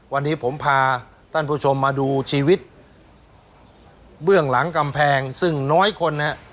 วันนี้ผมพาท่านผู้ชมมาดูชีวิตเบื้องหลังกำแพงซึ่งน้อยคนนะฮะ